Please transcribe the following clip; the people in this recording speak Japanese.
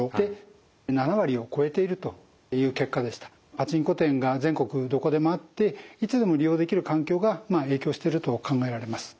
パチンコ店が全国どこでもあっていつでも利用できる環境が影響してると考えられます。